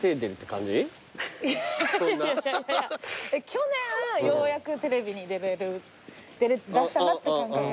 去年ようやくテレビに出れだしたなって感覚です。